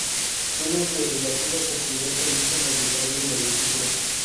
Suelos de relativa fertilidad permiten el desarrollo de la agricultura.